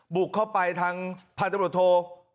บุกเข้าไปทางผ่านตำรวจโทร